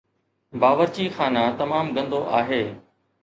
باورچی خانه تمام گندو آهي